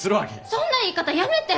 ・そんな言い方やめて！